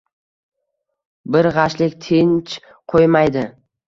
Bir g’ashlik tinch qo’ymaydi.